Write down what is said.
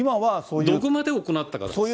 どこまで行ったかですから。